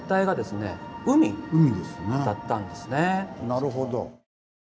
なるほど。